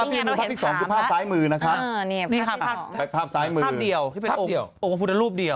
ที่นี่เราเห็นถามนะครับนี่ครับภาพซ้ายมือภาพเดียวที่เป็นโอ้งโอ้งพุทธรูปเดียว